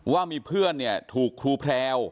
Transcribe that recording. ว่ามีเพื่อนเนี่ยถูกครูแพรว